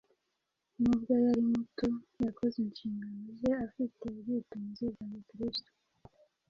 Nubwo yari muto, yakoze inshingano ze afite ubwitonzi bwa Gikristo.